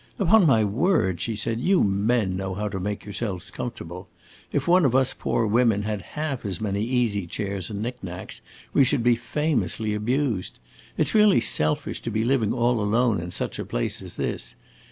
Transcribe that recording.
"Upon my word," she said, "you men know how to make yourselves comfortable. If one of us poor women had half as many easy chairs and knick knacks, we should be famously abused. It 's really selfish to be living all alone in such a place as this.